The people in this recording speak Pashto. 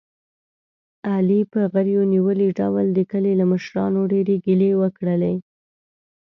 علي په غرېو نیولي ډول د کلي له مشرانو ډېرې ګیلې وکړلې.